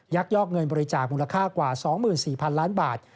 ยอกเงินบริจาคมูลค่ากว่า๒๔๐๐๐ล้านบาท